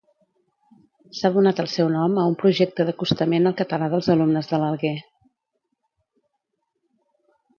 S'ha donat el seu nom a un projecte d'acostament al català dels alumnes de l'Alguer.